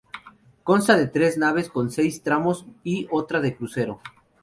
Consta de tres naves, con seis tramos y otra de crucero.